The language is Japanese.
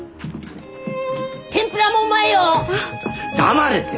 黙れって！